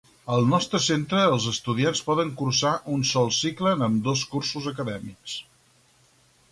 Al nostre centre els estudiants poden cursar un sol cicle en ambdós cursos acadèmics.